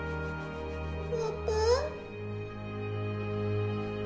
パパ。